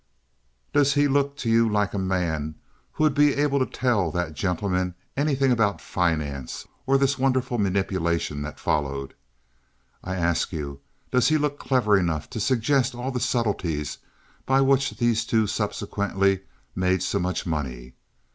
"Does he look to you like a man who would be able to tell that gentleman anything about finance or this wonderful manipulation that followed? I ask you, does he look clever enough to suggest all the subtleties by which these two subsequently made so much money?